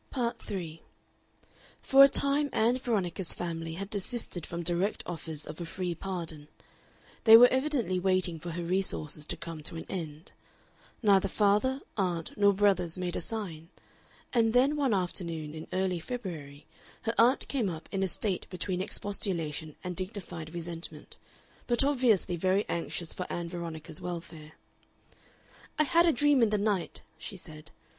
Part 3 For a time Ann Veronica's family had desisted from direct offers of a free pardon; they were evidently waiting for her resources to come to an end. Neither father, aunt, nor brothers made a sign, and then one afternoon in early February her aunt came up in a state between expostulation and dignified resentment, but obviously very anxious for Ann Veronica's welfare. "I had a dream in the night," she said.